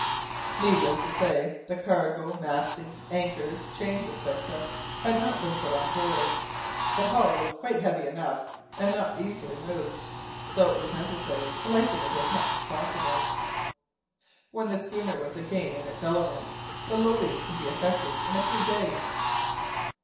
Needless to say, the cargo, masting, anchors, chains, &c., had not been put on board. The hull was quite heavy enough, and not easily moved, so it was necessary to lighten it as much as possible. When the schooner was again in its element, the loading could be effected in a few days.